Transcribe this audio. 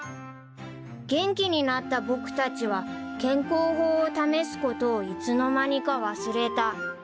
［元気になった僕たちは健康法を試すことをいつの間にか忘れた］